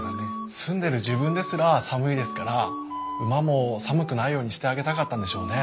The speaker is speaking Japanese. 住んでる自分ですら寒いですから馬も寒くないようにしてあげたかったんでしょうね。